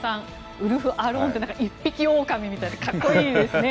ウルフ・アロンって一匹おおかみみたいでかっこいいですね。